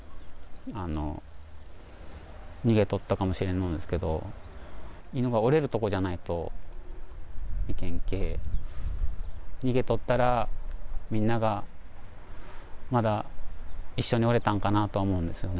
逃げとったかもしれんのですけど、犬がおれる所じゃないといけんけえ、逃げとったら、みんながまだ一緒におれんたかなと思うんですよね。